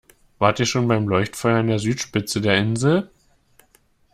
Wart ihr schon beim Leuchtfeuer an der Südspitze der Insel?